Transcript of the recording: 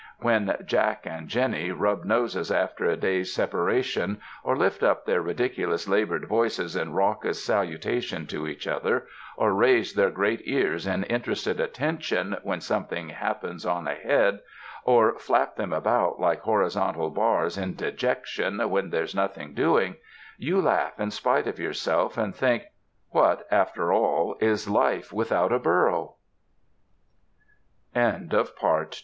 When Jack and Jenny rub noses after a day's separation, or lift up their ri diculous, labored voices in raucous salutation to each other, or raise their great ears in interested attention when something happens on ahead, or flap them out like horizontal bars in dejection when there's nothing doing, you laugh in spite of your self and think, "What, after all, is life without a